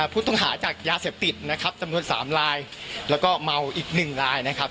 ผู้ต้องหาจากยาเสพติดนะครับจำนวน๓ลายแล้วก็เมาอีกหนึ่งลายนะครับ